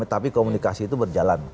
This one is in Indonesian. tapi komunikasi itu berjalan